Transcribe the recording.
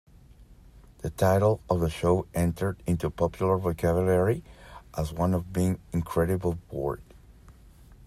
The title of the show entered into popular vocabulary as one being incredibly bored.